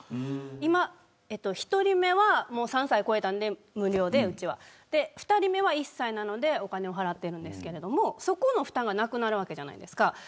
今、１人目は３歳を超えたので無料で２人目は１歳なのでお金を払ってるんですけどそこの負担がなくなるわけじゃないですか。